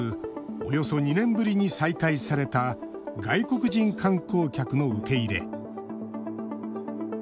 およそ２年ぶりに再開された外国人観光客の受け入れ。